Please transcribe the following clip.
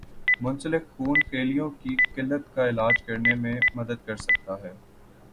منسلک خون کے خلیوں کی قلت کا علاج کرنے میں مدد کر سکتا ہے